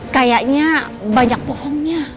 kayaknya banyak bohongnya